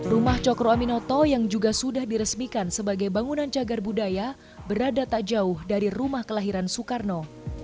rumah cokro aminoto yang juga sudah diresmikan sebagai bangunan cagar budaya berada tak jauh dari rumah kelahiran soekarno